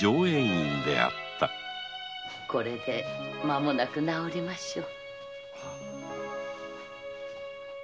これでまもなく治りましょう。